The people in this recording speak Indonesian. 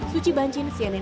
suci banjin cnn indonesia